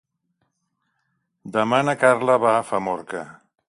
Demà na Carla va a Famorca.